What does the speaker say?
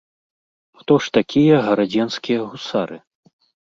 Хто ж такія гарадзенскія гусары?